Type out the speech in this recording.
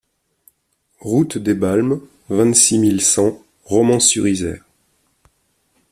Route des Balmes, vingt-six mille cent Romans-sur-Isère